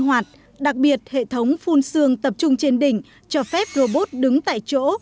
hoạt đặc biệt hệ thống phun xương tập trung trên đỉnh cho phép robot đứng tại chỗ